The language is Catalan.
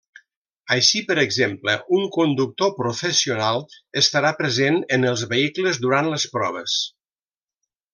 Així, per exemple, un conductor professional estarà present en els vehicles durant les proves.